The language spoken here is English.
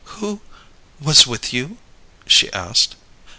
"Who was with you?" she asked.